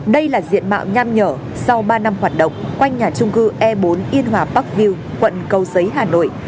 đây là diện mạo nham nhở sau ba năm hoạt động quanh nhà trung cư e bốn yên hòa bắc view quận cầu giấy hà nội